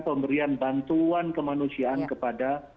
pemberian bantuan kemanusiaan kepada